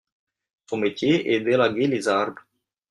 Son métier est d’élaguer les arbres.